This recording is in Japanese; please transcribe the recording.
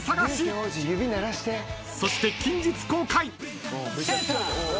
［そして近日公開］